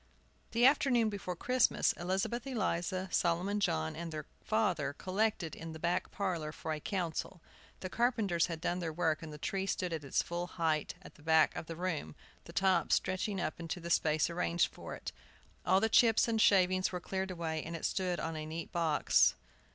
The afternoon before Christmas, Elizabeth Eliza, Solomon John, and their father collected in the back parlor for a council. The carpenters had done their work, and the tree stood at its full height at the back of the room, the top stretching up into the space arranged for it. All the chips and shavings were cleared away, and it stood on a neat box.